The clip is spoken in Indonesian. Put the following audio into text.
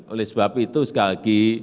oleh sebab itu sekali lagi